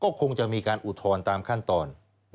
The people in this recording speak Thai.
ก็คงจะมีการอุทธรณ์ตามขั้นตอน